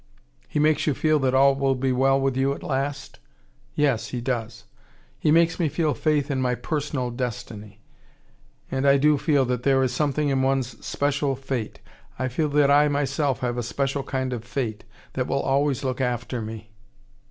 "He makes you feel that all will be well with you at last?" "Yes, he does. He makes me feel faith in my PERSONAL destiny. And I do feel that there is something in one's special fate. I feel that I myself have a special kind of fate, that will always look after me."